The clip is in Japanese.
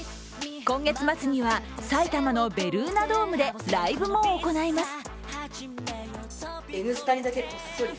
今月末には、埼玉のベルーナドームでライブも行います。